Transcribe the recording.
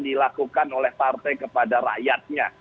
dilakukan oleh partai kepada rakyatnya